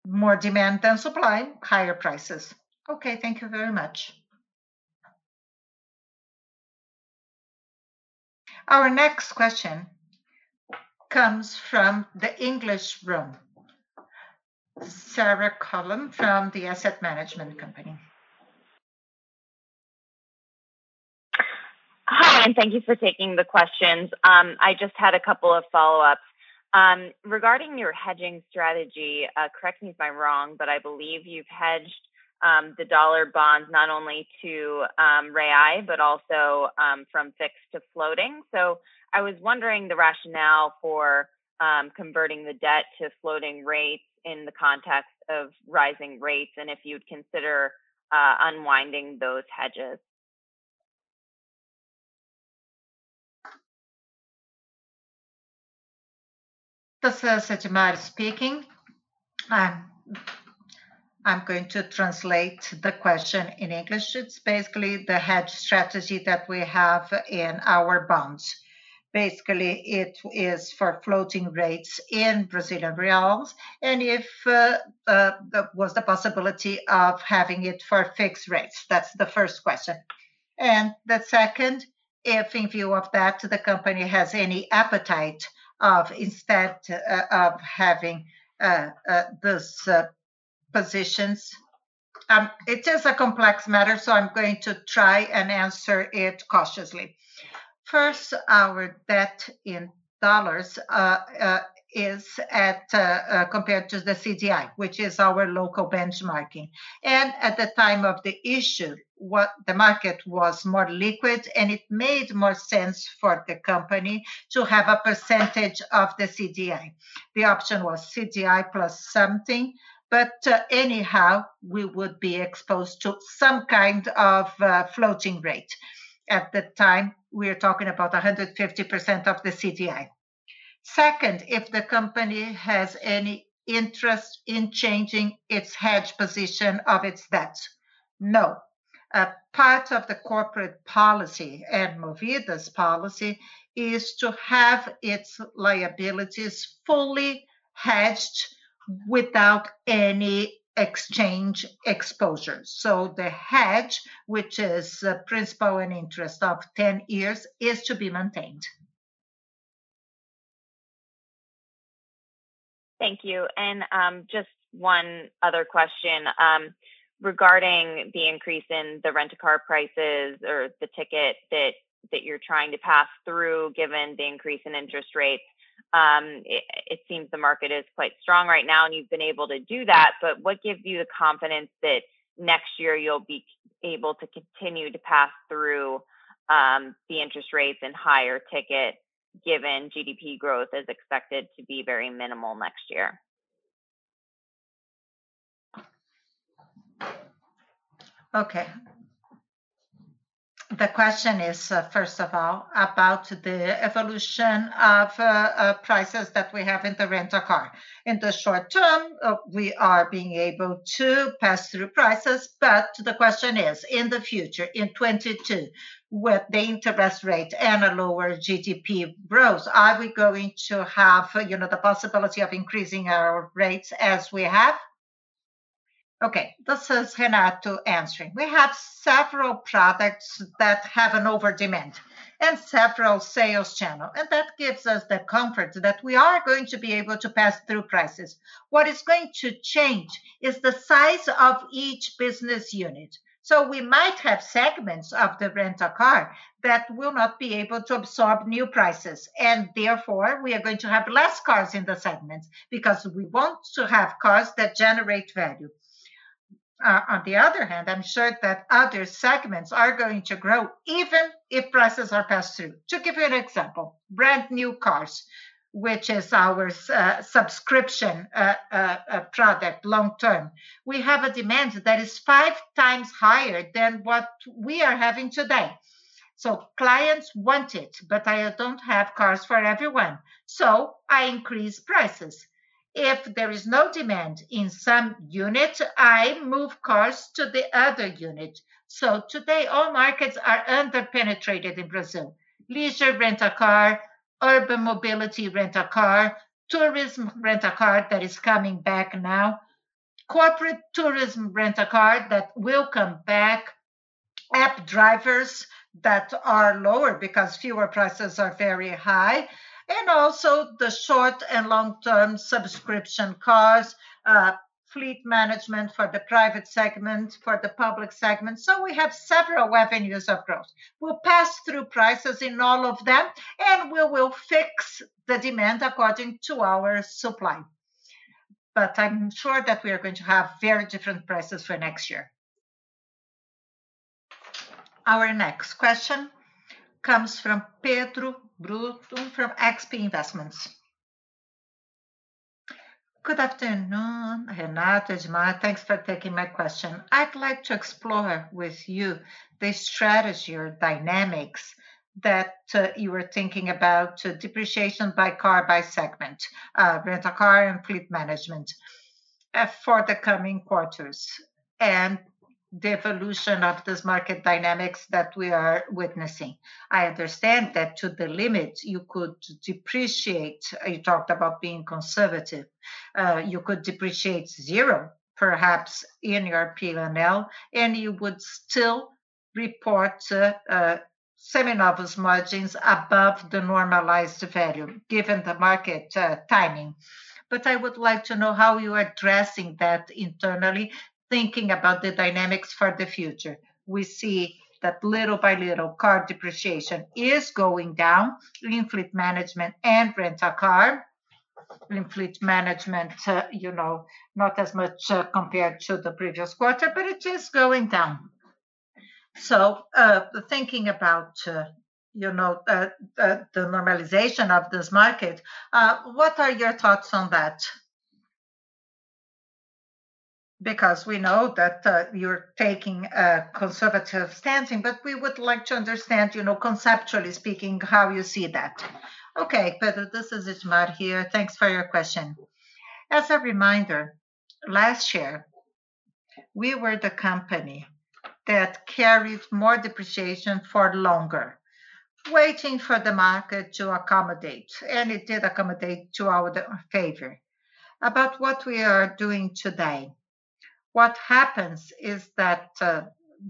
More demand than supply, higher prices. Okay, thank you very much. Our next question comes from the English line. [Sarah Cullum] from the Asset Management Co. Hi, and thank you for taking the questions. I just had a couple of follow-ups. Regarding your hedging strategy, correct me if I'm wrong, but I believe you've hedged the dollar bonds not only to reais but also from fixed to floating. I was wondering the rationale for converting the debt to floating rates in the context of rising rates, and if you'd consider unwinding those hedges? This is Edmar speaking. I'm going to translate the question in English. It's basically the hedge strategy that we have in our bonds. Basically, it is for floating rates in Brazilian reais, and if there was the possibility of having it for fixed rates. That's the first question. The second, if in view of that, the company has any appetite instead of having these positions. It is a complex matter, so I'm going to try and answer it cautiously. First, our debt in dollars is compared to the CDI, which is our local benchmark. At the time of the issue, the market was more liquid, and it made more sense for the company to have a percentage of the CDI. The option was CDI plus something, but, anyhow, we would be exposed to some kind of floating rate. At the time, we're talking about 150% of the CDI. Second, if the company has any interest in changing its hedge position of its debt. No. Part of the corporate policy and Movida's policy is to have its liabilities fully hedged without any exchange exposure. The hedge, which is principal and interest of 10 years, is to be maintained. Thank you. Just one other question regarding the increase in the Rent a Car prices or the ticket that you're trying to pass through given the increase in interest rates. It seems the market is quite strong right now and you've been able to do that, but what gives you the confidence that next year you'll be able to continue to pass through the interest rates and higher ticket, given GDP growth is expected to be very minimal next year? Okay. The question is, first of all, about the evolution of prices that we have in the Rent a Car. In the short term, we are being able to pass through prices, but the question is, in the future, in 2022, with the interest rate and a lower GDP growth, are we going to have, you know, the possibility of increasing our rates as we have? Okay. This is Renato answering. We have several products that have an overdemand and several sales channel, and that gives us the comfort that we are going to be able to pass through prices. What is going to change is the size of each business unit. We might have segments of the Rent a Car that will not be able to absorb new prices, and therefore, we are going to have less cars in the segments because we want to have cars that generate value. On the other hand, I'm sure that other segments are going to grow even if prices are passed through. To give you an example, brand new cars, which is our subscription, long-term product, we have a demand that is five times higher than what we are having today. Clients want it, but I don't have cars for everyone. I increase prices. If there is no demand in some unit, I move cars to the other unit. Today all markets are under-penetrated in Brazil. Leisure Rent a Car, Urban Mobility Rent a Car, Tourism Rent a Car that is coming back now, Corporate Tourism Rent a Car that will come back, app drivers that are lower because fuel prices are very high, and also the short and long-term subscription cars, Fleet Management for the private segment, for the public segment. We have several avenues of growth. We'll pass through prices in all of them, and we will fix the demand according to our supply. I'm sure that we are going to have very different prices for next year. Our next question comes from Pedro Bruno from XP Investimentos. Good afternoon, Renato, Edmar. Thanks for taking my question. I'd like to explore with you the strategy or dynamics that you were thinking about depreciation by car, by segment, Rent a Car and Fleet Management, for the coming quarters and the evolution of this market dynamics that we are witnessing. I understand that to the limit you could depreciate. You talked about being conservative. You could depreciate zero, perhaps, in your P&L, and you would still report Seminovos margins above the normalized value given the market timing. But I would like to know how you are addressing that internally, thinking about the dynamics for the future. We see that little by little car depreciation is going down in Fleet Management and Rent a Car. In Fleet Management, you know, not as much compared to the previous quarter, but it is going down. Thinking about the normalization of this market, what are your thoughts on that? Because we know that you're taking a conservative standing, but we would like to understand, you know, conceptually speaking, how you see that? Okay, Pedro, this is Edmar here. Thanks for your question. As a reminder, last year we were the company that carried more depreciation for longer, waiting for the market to accommodate, and it did accommodate to our favor. About what we are doing today, what happens is that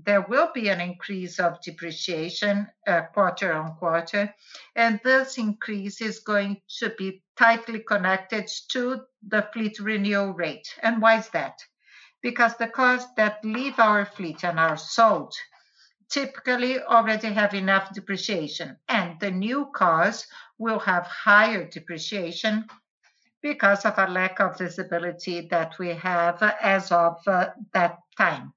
there will be an increase of depreciation quarter-over-quarter, and this increase is going to be tightly connected to the fleet renewal rate. Why is that? Because the cars that leave our fleet and are sold typically already have enough depreciation, and the new cars will have higher depreciation because of a lack of visibility that we have as of that time.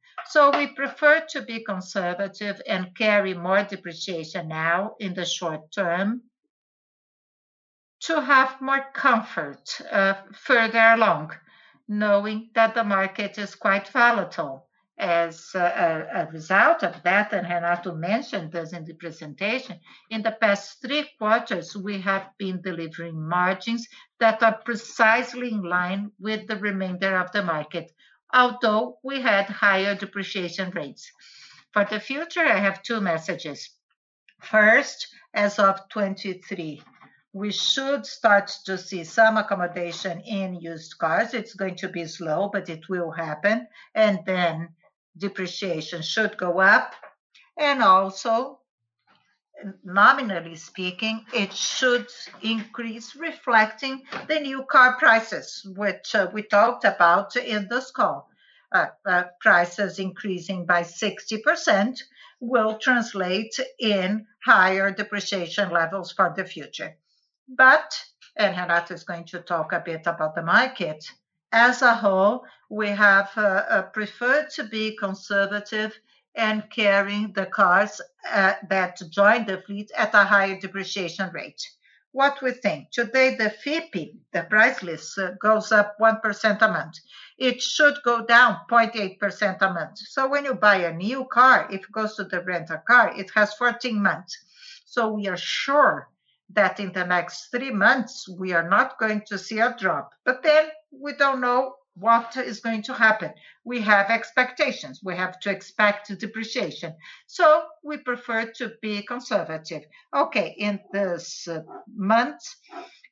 We prefer to be conservative and carry more depreciation now in the short term to have more comfort further along, knowing that the market is quite volatile. As a result of that, and Renato mentioned this in the presentation, in the past three quarters, we have been delivering margins that are precisely in line with the remainder of the market, although we had higher depreciation rates. For the future, I have two messages. First, as of 2023, we should start to see some accommodation in used cars. It's going to be slow, but it will happen, and then depreciation should go up. Nominally speaking, it should increase reflecting the new car prices, which we talked about in this call. Prices increasing by 60% will translate in higher depreciation levels for the future. Renato is going to talk a bit about the market as a whole. We have preferred to be conservative in carrying the cars that join the fleet at a higher depreciation rate. What we think, today the FIPE, the price list, goes up 1% a month. It should go down 0.8% a month. When you buy a new car, it goes to the Rent a Car. It has 14 months. We are sure that in the next three months we are not going to see a drop, but then we don't know what is going to happen. We have expectations. We have to expect depreciation, so we prefer to be conservative. Okay, in this month,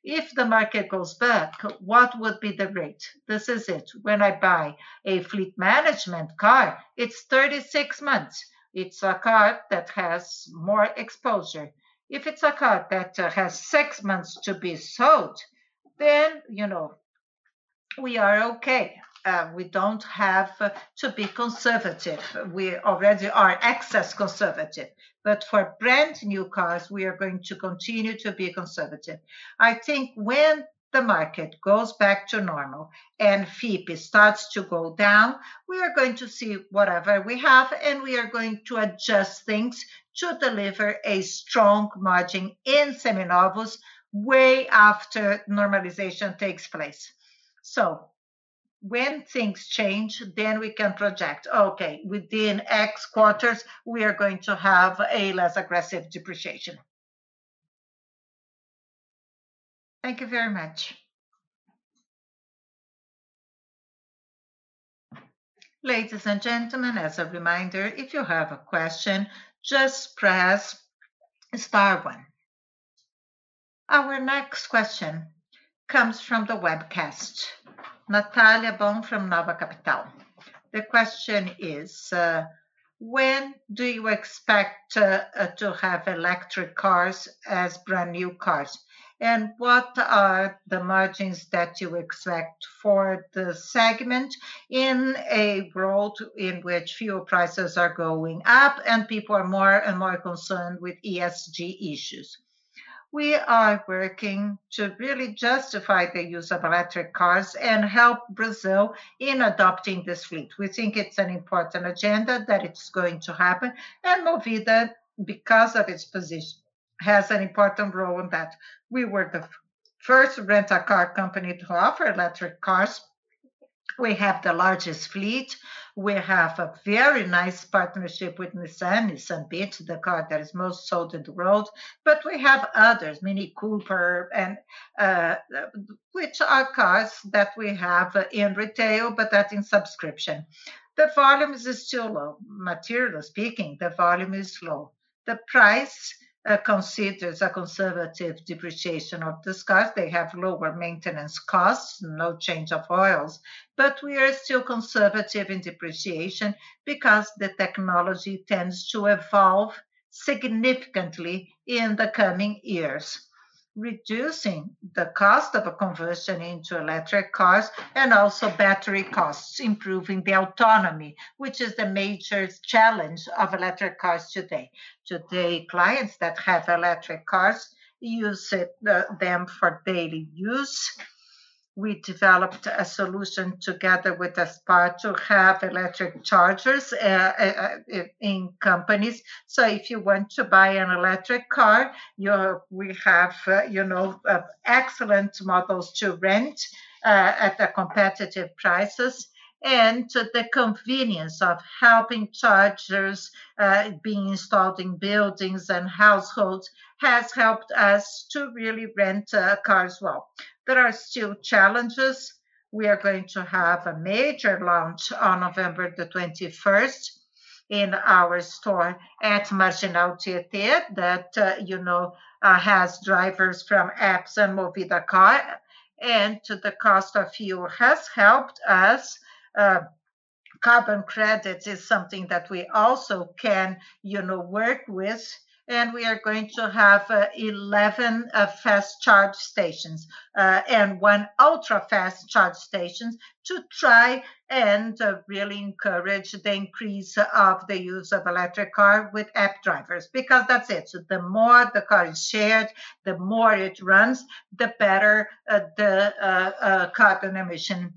if the market goes back, what would be the rate? This is it. When I buy a Fleet Management car, it's 36 months. It's a car that has more exposure. If it's a car that has six months to be sold, then, you know, we are okay. We don't have to be conservative. We already are excessively conservative. For brand-new cars, we are going to continue to be conservative. I think when the market goes back to normal and FIPE starts to go down, we are going to see whatever we have, and we are going to adjust things to deliver a strong margin in Seminovos way after normalization takes place. When things change, then we can project, "Okay, within X quarters, we are going to have a less aggressive depreciation." Thank you very much. Ladies and gentlemen, as a reminder, if you have a question, just press star one. Our next question comes from the webcast. [Natalia Baum] from [Nova Capital]. The question is, when do you expect to have electric cars as brand-new cars, and what are the margins that you expect for the segment in a world in which fuel prices are going up and people are more and more concerned with ESG issues? We are working to really justify the use of electric cars and help Brazil in adopting this fleet. We think it's an important agenda that it's going to happen, and Movida, because of its position, has an important role in that. We were the first rent a car company to offer electric cars. We have the largest fleet. We have a very nice partnership with Nissan LEAF, the car that is most sold in the world, but we have others, MINI Cooper and which are cars that we have in retail but that in subscription. The volumes is still low. Materially speaking, the volume is low. The price considers a conservative depreciation of these cars. They have lower maintenance costs, no oil changes. We are still conservative in depreciation because the technology tends to evolve significantly in the coming years, reducing the cost of a conversion into electric cars and also battery costs, improving the autonomy, which is the major challenge of electric cars today. Today, clients that have electric cars use them for daily use. We developed a solution together with Estapar to have electric chargers in companies. If you want to buy an electric car, we have, you know, excellent models to rent at competitive prices. The convenience of having chargers being installed in buildings and households has helped us to really rent cars well. There are still challenges. We are going to have a major launch on November 21st in our store at Marginal Tietê that you know has drivers from apps and Movida car. The cost of fuel has helped us. Carbon credits is something that we also can, you know, work with, and we are going to have 11 fast charge stations and one ultra-fast charge station to try and really encourage the increase of the use of electric car with app drivers because that's it. The more the car is shared, the more it runs, the better the carbon emission.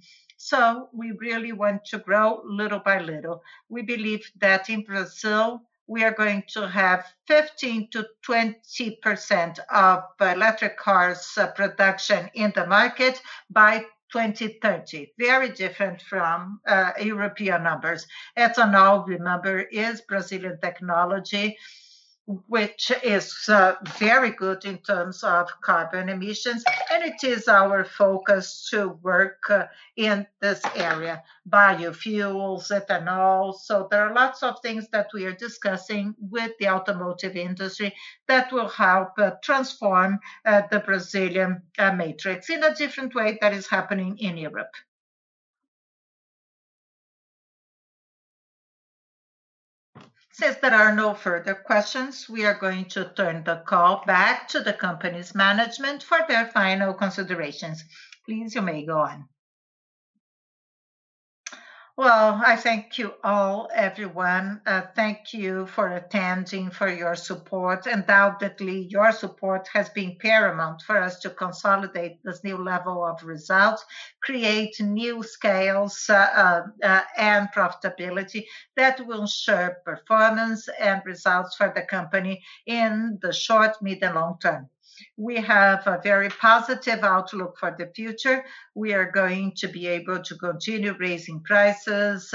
We really want to grow little by little. We believe that in Brazil we are going to have 15%-20% of electric cars production in the market by 2030. Very different from European numbers. Ethanol, remember, is Brazilian technology, which is very good in terms of carbon emissions, and it is our focus to work in this area. Biofuels, ethanol, there are lots of things that we are discussing with the automotive industry that will help transform the Brazilian matrix in a different way that is happening in Europe. Since there are no further questions, we are going to turn the call back to the company's management for their final considerations. Please, you may go on. Well, I thank you all, everyone. Thank you for attending, for your support. Undoubtedly, your support has been paramount for us to consolidate this new level of results, create new scales, and profitability that will ensure performance and results for the company in the short, mid, and long term. We have a very positive outlook for the future. We are going to be able to continue raising prices,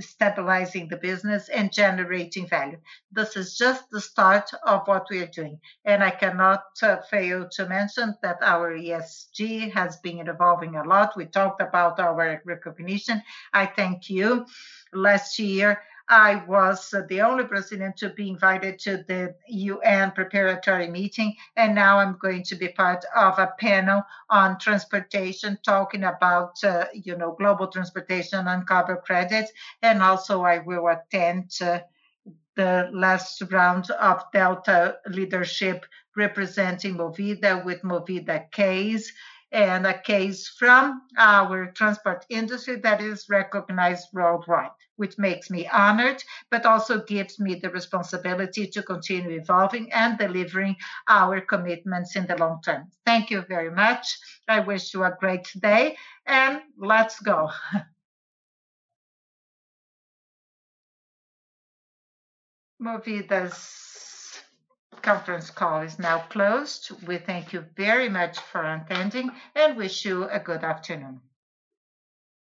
stabilizing the business, and generating value. This is just the start of what we are doing, and I cannot fail to mention that our ESG has been evolving a lot. We talked about our recognition. I thank you. Last year, I was the only president to be invited to the UN preparatory meeting, and now I'm going to be part of a panel on transportation, talking about, you know, global transportation and carbon credits. Also I will attend the last round of Delta Leadership representing Movida with Movida case, and a case from our transport industry that is recognized worldwide, which makes me honored but also gives me the responsibility to continue evolving and delivering our commitments in the long term. Thank you very much. I wish you a great day, and let's go. Movida's conference call is now closed. We thank you very much for attending and wish you a good afternoon.